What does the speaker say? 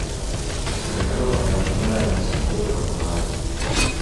Kangaroo anafanana na sungura kwa mbali